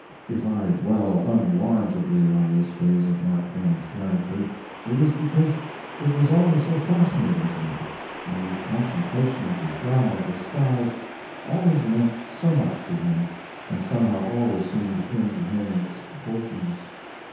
If I dwell unwarrantably on this phase of Mark Twain's character, it is because it was always so fascinating to me, and the contemplation of the drama of the skies always meant so much to him, and somehow always seemed akin to him in its proportions.